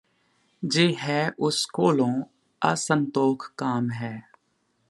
ਜੋ ਹੈ ਉਸ ਕੋਲੋਂ ਅਸੰਤੋਖ ਕਾਮ ਹੈ